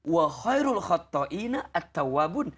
setiap orang punya salah